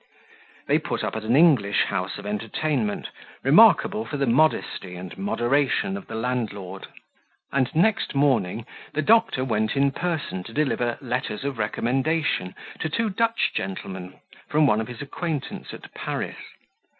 They put up at an English house of entertainment, remarkable for the modesty and moderation of the landlord; and next morning the doctor went in person to deliver letters of recommendation to two Dutch gentlemen from one of his acquaintance at Paris.